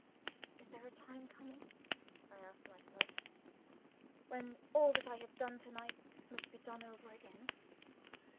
"Is there a time coming," I asked myself, "when all that I have done to night must be done over again?"